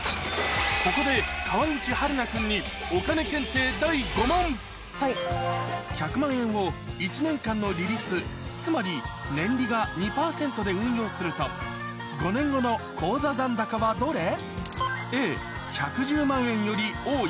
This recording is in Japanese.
ここで川口春奈君に１００万円を１年間の利率つまり年利が２％で運用すると５年後の口座残高はどれ？